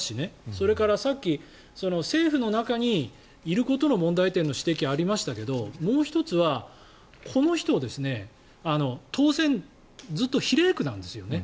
それから、さっき政府の中にいることの問題点の指摘がありましたけどもう１つは、この人は当選ずっと比例区なんですよね。